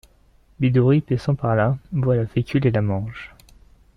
Bidori, passant par là, voit la fécule et la mange.